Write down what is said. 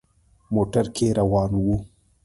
موټر کې روان وو.